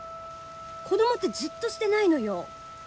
子供ってじっとしてないのよ。